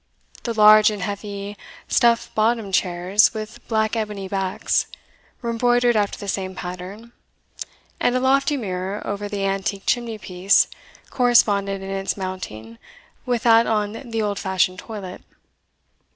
The large and heavy stuff bottomed chairs, with black ebony backs, were embroidered after the same pattern, and a lofty mirror, over the antique chimney piece, corresponded in its mounting with that on the old fashioned toilet.